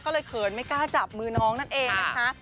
ก็เลยเขินไม่กล้าจับมือน้องนั่นเองนะคะ